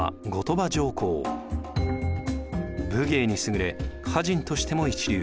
武芸に優れ歌人としても一流。